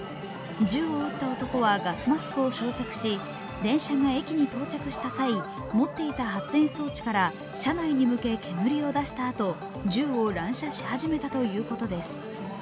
銃を撃った男はガスマスクを装着し電車が駅についた際持っていた発煙装置から車内に向けて煙を出したあと、銃を乱射し始めたということです。